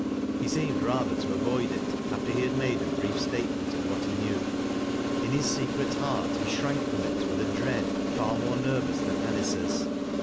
He seemed rather to avoid it, after he had made a brief statement of what he knew. In his secret heart, he shrank from it with a dread far moi e nervous than Anice's.